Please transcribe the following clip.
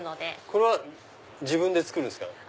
これは自分で作るんですか？